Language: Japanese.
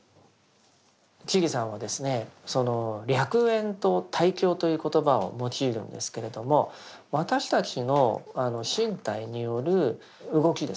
智さんはその歴縁と対境という言葉を用いるんですけれども私たちの身体による動きですね